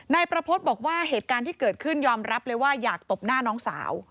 นายประพฤติบอกว่าเหตุการณ์ที่เกิดขึ้นยอมรับเลยว่าอยากตบหน้าน้องสาว